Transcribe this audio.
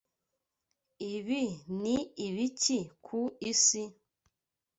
Ibi ni ibiki ku isi?